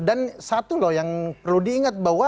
dan satu loh yang perlu diingat bahwa